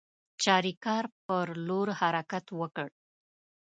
چاریکار پر لور حرکت وکړ.